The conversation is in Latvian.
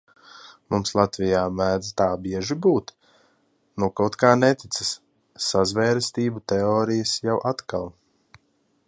Mums Latvijā mēdz tā bieži būt? Nu kaut kā neticas. Sazvērestību teorijas jau atkal.